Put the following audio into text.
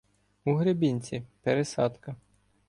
У Гребінці — пересадка.